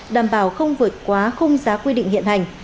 đảm bảo không vượt quá khung giá quy định hiện hành